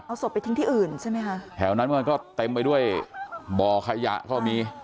เอาศพไปทิ้งที่อื่นใช่ไหมคะแถวนั้นมันก็เต็มไปด้วยบ่อขยะก็มี